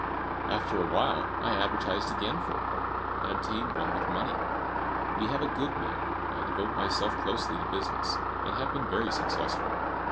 After a while, I advertised again for a partner, and obtained one with money. We have a good mill. I devote myself closely to business, and have been very successful.